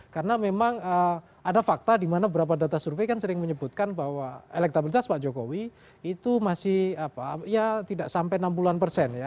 karena memang ada fakta dimana beberapa data survei kan sering menyebutkan bahwa elektabilitas pak jokowi itu masih ya tidak sampai enam puluh an persen ya